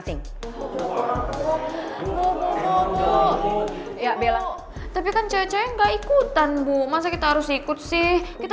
sampai jumpa di video selanjutnya